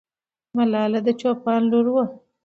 ملالۍ د چوپان لور وه.